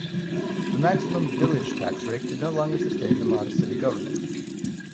The maximum "Village" tax rate could no longer sustain the modest city government.